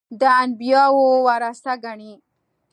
د انبیاوو ورثه ګڼي.